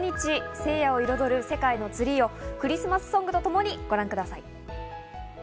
聖夜を彩る世界のツリーをクリスマスソングとともにご覧ください。